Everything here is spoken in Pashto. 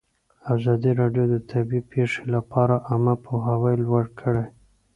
ازادي راډیو د طبیعي پېښې لپاره عامه پوهاوي لوړ کړی.